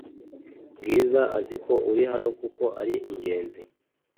Bwiza azi ko uri hano kuko ari ingenzi